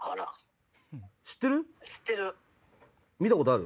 知ってる？